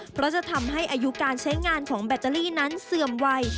เพราะจะทำให้อายุการใช้งานของแบตเตอรี่นั้นเสื่อมวัย